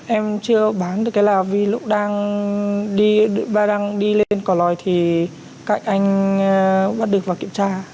em chưa bán được cái lá vì lúc đang đi ba đang đi lên cỏ lòi thì cạnh anh bắt được và kiểm tra